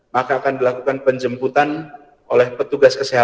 maka akan dilakukan penjemputan oleh petugas kesehatan